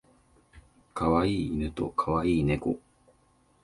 可愛い犬と可愛い猫